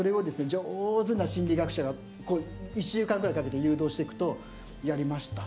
上手な心理学者が１週間ぐらいかけて誘導していくと「やりました」。